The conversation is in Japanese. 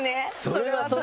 それはそれで。